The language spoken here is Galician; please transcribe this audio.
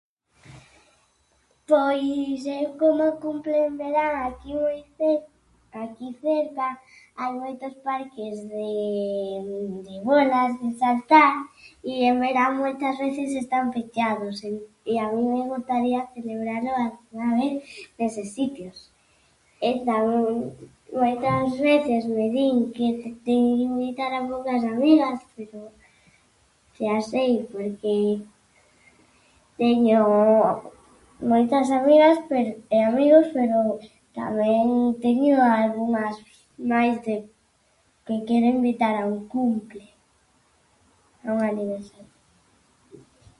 Pois eu como cumplo en verán aquí moi cer-, aquí cerca hai moitos parques de de bolas de saltar i en verán moitas veces están pechados i a min me gustaría celebralo alguna vez neses sitios e tamén, moitas veces, me din que teño que invitar a poucas amigas, pero, xa sei porque teño moitas amigas, pero, e amigos, pero tamén teño algunhas máis que quero invitar a un cumple, a un aniversario.